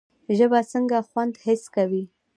ژبه څنګه خوند حس کوي؟